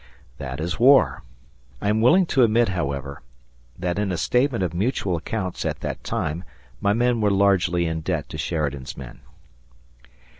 That is war. I am willing to admit, however, that in a statement of mutual accounts at that time my men were largely in debt to Sheridan's men.